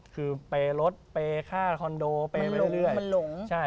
คือเปย์รถเปย์ค่าคอนโดไปเรื่อย